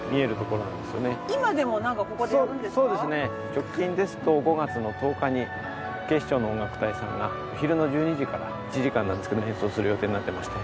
直近ですと５月の１０日に警視庁の音楽隊さんが昼の１２時から１時間なんですけど演奏する予定になっていまして。